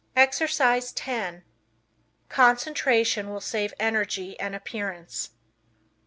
Exercise 10 Concentration Will Save Energy and Appearance.